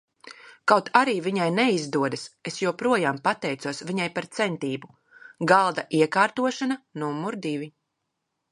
Kaut arī viņai neizdodas, es joprojām pateicos viņai par centību. Galda iekārtošana numur divi!